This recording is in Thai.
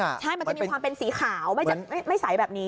ใช่มันจะมีความเป็นสีขาวไม่ใสแบบนี้